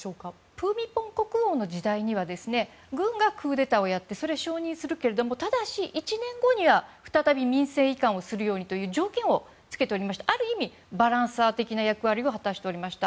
プミポン国王の時代には軍がクーデターをやってそれを承認するけれども１年後には再び民政移管をするようにという条件を付けておりましてある意味バランサー的な役割を果たしておりました。